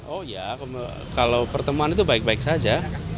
oh ya kalau pertemuan itu baik baik saja